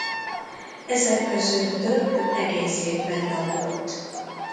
Ezek közül több egész évben lakott.